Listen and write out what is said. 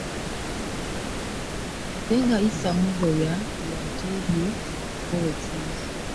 Ate nga Issa Mugoya y'ateebye eya Kkooki.